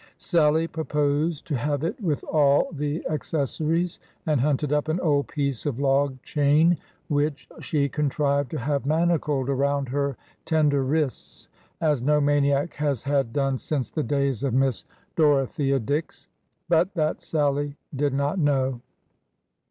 Sallie proposed to have it with all the acces sories, and hunted up an old piece of log chain which she contrived to have manacled around her tender wrists, as no maniac has had done since the days of Miss Doro thea Dix. But that Sallie did not know.